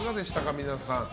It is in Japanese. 皆さん。